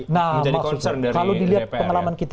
nah kalau dilihat pengalaman kita